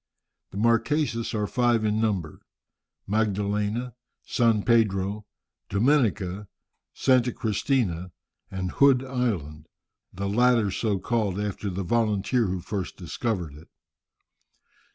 The Marquesas are five in number, Magdalena, San Pedro, Dominica, Santa Cristina, and Hood Island, the latter so called after the volunteer who first discovered it.